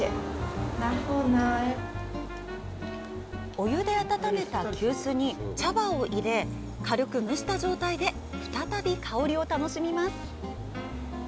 お湯で温めた急須に茶葉を入れ、軽く蒸した状態で再び香りを楽しみます。